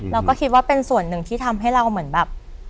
เราก็คิดว่าเป็นส่วนหนึ่งที่ทำให้เราเหมือนแบบ